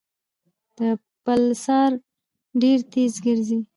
د پلسار ډېر تېز ګرځي.